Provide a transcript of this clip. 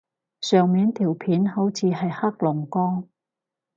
上面條片好似係黑龍江